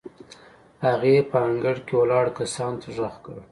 هغې په انګړ کې ولاړو کسانو ته غږ کړ.